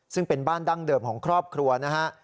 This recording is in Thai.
ซึ่งเป็นบ้านดั้งเดิมของครอบครัวนะฮะ